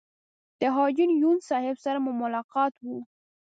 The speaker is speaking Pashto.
د حاجي یون صاحب سره مو ملاقات و.